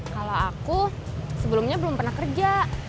kalau aku sebelumnya belum pernah kerja